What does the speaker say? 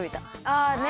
あね！